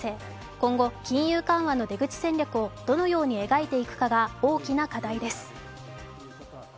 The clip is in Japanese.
今後、金融緩和の出口戦略をどのように描いていくかが大きな課題です。